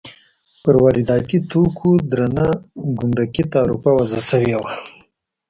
پر وارداتي توکو درنه ګمرکي تعرفه وضع شوې وه.